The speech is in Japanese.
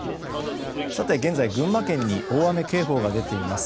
現在、群馬県に大雨警報が出ています。